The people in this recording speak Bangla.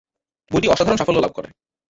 বইটি অসাধারণ সাফল্য লাভ করে।